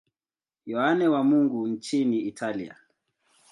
Yohane wa Mungu nchini Italia.